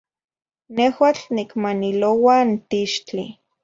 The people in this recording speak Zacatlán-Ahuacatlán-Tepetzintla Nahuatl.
Nehuatl nicmaniloua n tixtli.